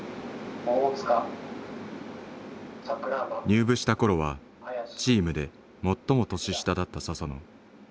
入部した頃はチームで最も年下だった佐々野。